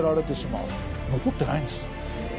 残ってないんです。